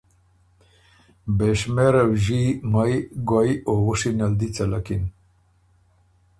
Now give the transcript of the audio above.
بېشمېره وݫي، مئ، ګوئ او وُشی ن ال دی څلکِن۔